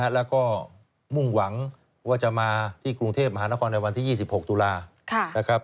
แล้วก็มุ่งหวังว่าจะมาที่กรุงเทพมหานครในวันที่๒๖ตุลานะครับ